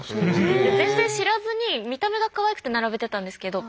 いや全然知らずに見た目がかわいくて並べてたんですけど